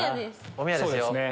おみやですよ。